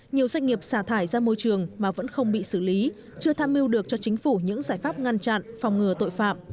nhiều doanh nghiệp xả thải ra môi trường mà vẫn không bị xử lý chưa tham mưu được cho chính phủ những giải pháp ngăn chặn phòng ngừa tội phạm